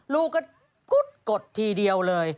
ลูกก็กุ๊ดกดทีเดียวเลย